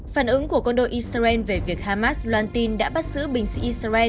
phản ứng của con đôi israel về việc hamas loan tin đã bắt xử binh sĩ israel